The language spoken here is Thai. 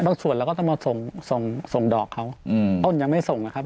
ส่วนเราก็ต้องมาส่งส่งดอกเขาต้นยังไม่ส่งนะครับ